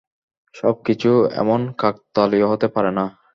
সবকিছু এমন কাকতালীয় হতে পারে না।